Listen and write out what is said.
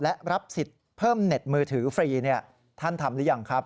และรับสิทธิ์เพิ่มเน็ตมือถือฟรีท่านทำหรือยังครับ